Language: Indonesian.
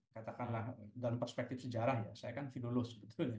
katakanlah dalam perspektif sejarah saya kan fidulus